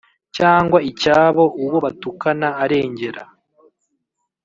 cyangwa icy'abo uwo batukana arengera